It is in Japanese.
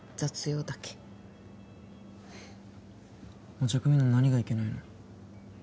お茶くみの何がいけないの？